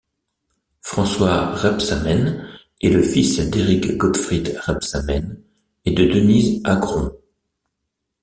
François Rebsamen est le fils d'Eric Gottfried Rebsamen et de Denise Agron.